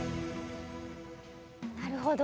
なるほど。